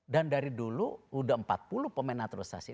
dan dari dulu udah empat puluh pemain